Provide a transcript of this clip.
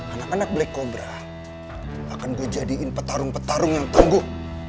anak anak black cobra akan gue jadiin petarung petarung yang tangguh